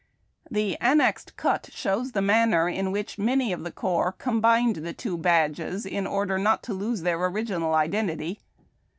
The annexed cut shows the manner in which many of the corps combined the two badges in order not to lose their original identity.